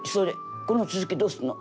この続きどうすんの？